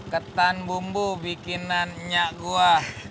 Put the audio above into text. ketan bumbu bikinan enyak gua